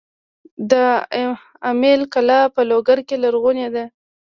د امیل کلا په لوګر کې لرغونې ده